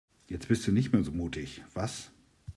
Jetzt bist du nicht mehr so mutig, was?